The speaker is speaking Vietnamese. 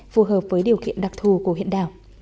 phù hợp với điều kiện đặc thù của huyện đảo